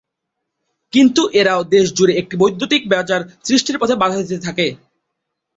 কিন্তু এরাও দেশ জুড়ে একটি বৈদ্যুতিক বাজার সৃষ্টির পথে বাধা দিতে পারে।